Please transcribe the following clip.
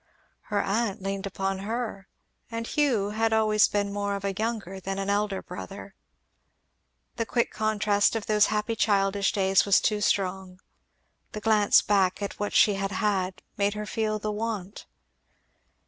Her aunt leaned upon her; and Hugh had always been more of a younger than an elder brother. The quick contrast of those old happy childish days was too strong; the glance back at what she had had, made her feel the want.